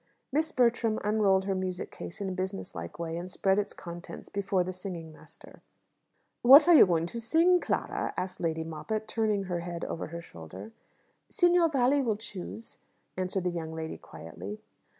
Miss Bertram unrolled her music case in a business like way, and spread its contents before the singing master. "What are you going to sing, Clara?" asked Lady Moppett, turning her head over her shoulder. "Signor Valli will choose," answered the young lady quietly.